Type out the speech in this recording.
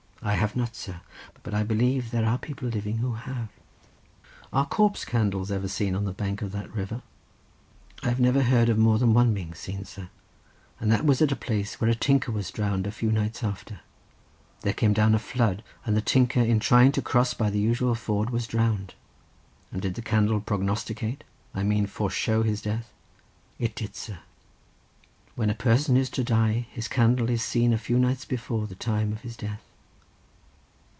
"I have not, sir; but I believe there are people living who have." "Are corpse candles ever seen on the bank of that river?" "I have never heard of more than one being seen, sir, and that was at a place where a tinker was drowned a few nights after—there came down a flood, and the tinker in trying to cross by the usual ford was drowned." "And did the candle prognosticate, I mean foreshow his death?" "It did, sir. When a person is to die, his candle is seen a few nights before the time of his death."